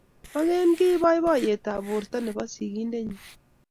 Magen kiiy boiboyetab borto nebo sigindenyi